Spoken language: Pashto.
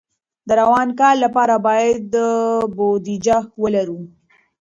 د روان کال لپاره باید بودیجه ولرو.